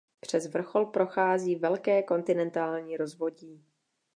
Přes vrchol prochází Velké kontinentální rozvodí.